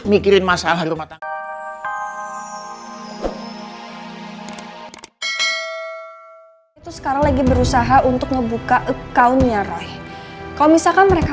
mikirin masalah rumah tangga itu sekarang lagi berusaha untuk ngebuka accountnya roy kalau misalkan mereka